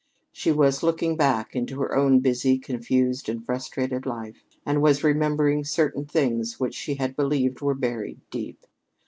She was looking back into her own busy, confused, and frustrated life, and was remembering certain things which she had believed were buried deep.